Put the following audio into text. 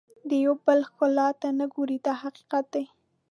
د یو بل ښکلا ته نه ګوري دا حقیقت دی.